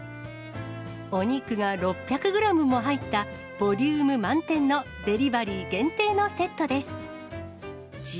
お肉が６００グラムも入った、ボリューム満点のデリバリー限定のセットです。